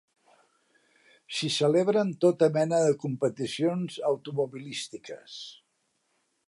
S'hi celebren tota mena de competicions automobilístiques.